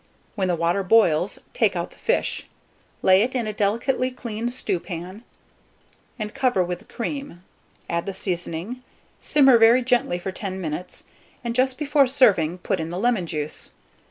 When the water boils, take out the fish, lay it in a delicately clean stewpan, and cover with the cream. Add the seasoning, simmer very gently for ten minutes, and, just before serving, put in the lemon juice.